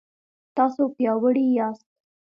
تاسو پیاوړي یاست